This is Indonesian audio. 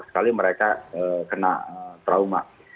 sekali mereka kena trauma